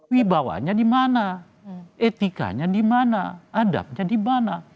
wibawanya dimana etikanya dimana adabnya dimana